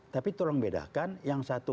tapi tolong bedakan yang satu